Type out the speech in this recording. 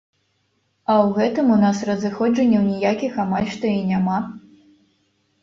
А ў гэтым у нас разыходжанняў ніякіх амаль што і няма.